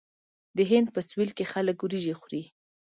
د هند په سویل کې خلک وریجې خوري.